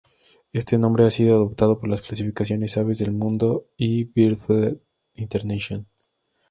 Este nombre ha sido adoptado por las clasificaciones Aves del Mundo y Birdlife International.